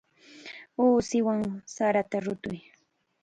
Uusiwan sarata rutuy.